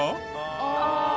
ああ。